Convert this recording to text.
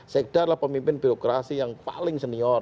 sekda adalah pemimpin birokrasi yang paling senior